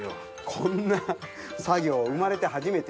こんな作業生まれ初めて。